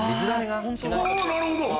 あなるほど。